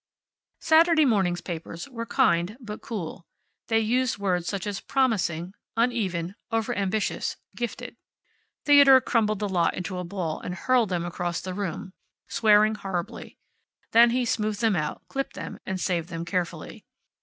Saturday morning's papers were kind, but cool. They used words such as promising, uneven, overambitious, gifted. Theodore crumpled the lot into a ball and hurled them across the room, swearing horribly. Then he smoothed them out, clipped them, and saved them carefully.